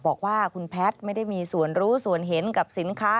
บอกว่าคุณแพทย์ไม่ได้มีส่วนรู้ส่วนเห็นกับสินค้า